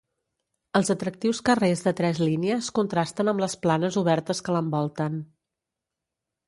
El atractius carrers de tres línies contrasten amb les planes obertes que l'envolten.